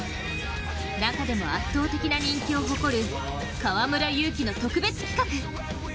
中でも圧倒的な人気を誇る河村勇輝の特別企画。